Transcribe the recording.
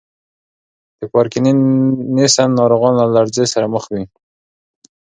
د پارکینسن ناروغان له لړزې سره مخ وي.